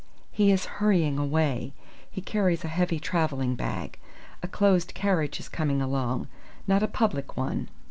"He is hurrying away. He carries a heavy travelling bag. A closed carriage is coming along not a public one.